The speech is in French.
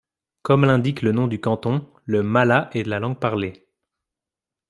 Comme l'indique le nom du canton, le mmala est la langue parlée.